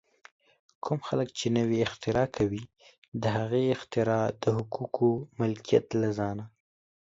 کوم خلک چې نوې اختراع کوي، د هغې اختراع د حقوقو ملکیت له ځان